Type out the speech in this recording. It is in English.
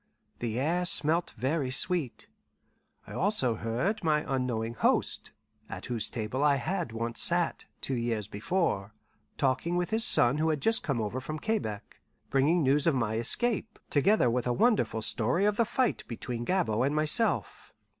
The air smelt very sweet. I also heard my unknowing host, at whose table I had once sat, two years before, talking with his son, who had just come over from Quebec, bringing news of my escape, together with a wonderful story of the fight between Gabord and myself.